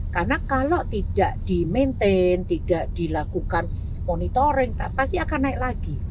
karena kalau tidak di maintain tidak dilakukan monitoring pasti akan naik lagi